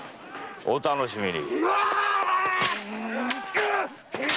お楽しみに。